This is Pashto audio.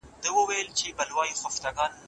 دوی به راتلل .